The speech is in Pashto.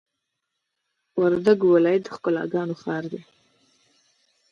وردګ ولایت د ښکلاګانو ښار دی!